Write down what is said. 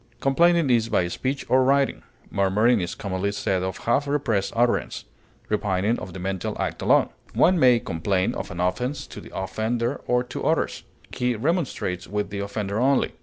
Complaining is by speech or writing; murmuring is commonly said of half repressed utterance; repining of the mental act alone. One may complain of an offense to the offender or to others; he remonstrates with the offender only.